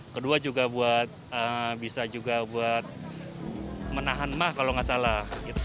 kedua juga bisa juga buat menahan mah kalau nggak salah